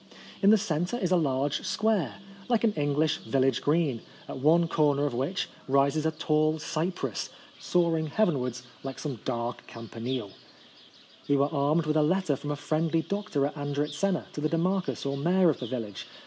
In the cen tre is a large square, like an English village green, at one corner of which rises a tall cypress, soaring heaven wards like some dark campanile. We were armed with a letter from a friendly doctor at Andritzena, to the demarchus or mayor of the village.